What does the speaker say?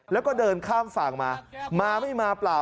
แล้วก็เดินข้ามฝั่งมามาไม่มาเปล่า